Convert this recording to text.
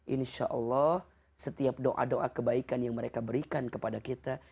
insya allah setiap doa doa kebaikan yang mereka berikan kepada kita